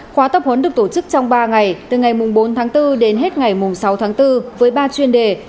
khóa tập huấn được tổ chức trong ba ngày từ ngày bốn tháng bốn đến hết ngày sáu tháng bốn với ba chuyên đề